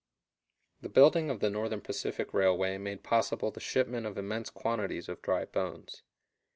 The building of the Northern Pacific Railway made possible the shipment of immense quantities of dry bones.